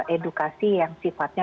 edukasi yang sifatnya